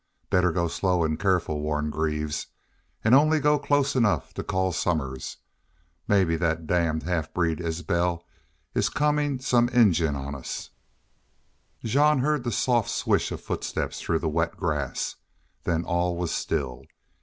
"Better go slow an' careful," warned Greaves. "An' only go close enough to call Somers.... Mebbe thet damn half breed Isbel is comin' some Injun on us." Jean heard the soft swish of footsteps through wet grass. Then all was still.